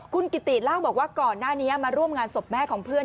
คุณกิติเล่าบอกว่าก่อนหน้านี้มาร่วมงานศพแม่ของเพื่อน